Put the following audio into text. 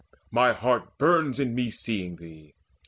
Mine heart burns in me seeing thee.